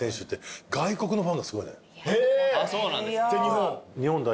そうなんですか？